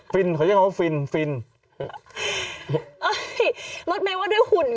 ฟินขอเรียกคำว่าฟิน